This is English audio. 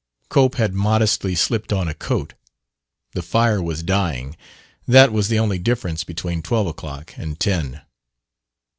Cope had modestly slipped on a coat. The fire was dying that was the only difference between twelve o'clock and ten.